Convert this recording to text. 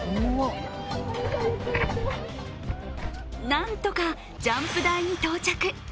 何とかジャンプ台に到着。